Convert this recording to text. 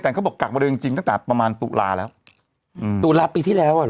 แต่เขาบอกกักบริเวณจริงตั้งแต่ประมาณตุลาแล้วตุลาปีที่แล้วหรอ